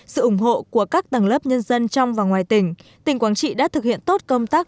sự ủng hộ của các tầng lớp nhân dân trong và ngoài tỉnh tỉnh quảng trị đã thực hiện tốt công tác